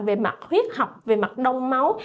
về mặt huyết học về mặt đông máu